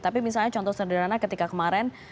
tapi misalnya contoh sederhana ketika kemarin